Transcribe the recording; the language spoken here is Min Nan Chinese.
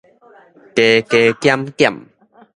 加加減減